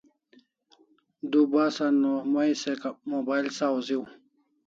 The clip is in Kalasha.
Du bas an o mai se mobile sawuz hiu